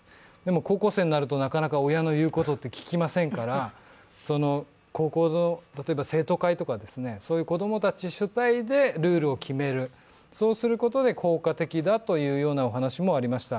高校生になるとなかなか親の言うことって聞きませんから高校の例えば生徒会とか子供たち主体でルールを決める、そうすることで効果的だというようなお話もありました。